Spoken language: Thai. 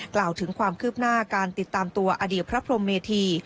กล่าวถึงความคืบหน้าการติดตามตัวอดีตพระพรมเมธี